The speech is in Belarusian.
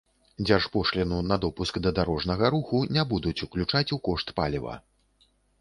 Дзяржпошліну на допуск да дарожнага руху не будуць уключаць у кошт паліва.